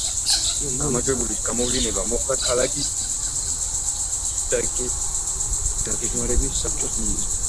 გამარჯვებულის გამოვლინება მოხდა ქალაქის დაგეგმარების საბჭოს მიერ.